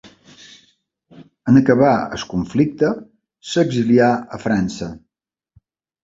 En acabar el conflicte s'exilià a França.